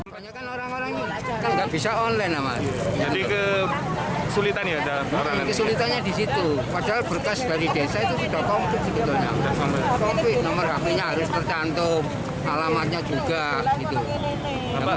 kami sudah konfit segitunya konfit nomor hp nya harus tercantum alamatnya juga